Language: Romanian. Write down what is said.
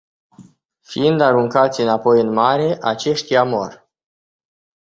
Fiind aruncați înapoi în mare, aceștia mor.